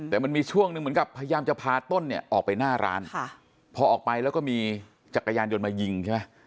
แต่มันมีช่วงหนึ่งเหมือนกับพยายามจะพาต้นเนี่ยออกไปหน้าร้านพอออกไปแล้วก็มีจักรยานยนต์มายิงใช่ไหม